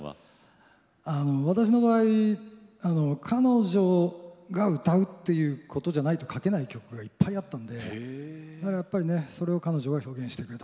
私の場合彼女が歌うということじゃないと書けない曲がいっぱいあったのでそれを、彼女が表現してくれた。